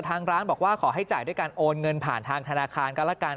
ทางร้านบอกว่าขอให้จ่ายด้วยการโอนเงินผ่านทางธนาคารก็ละกัน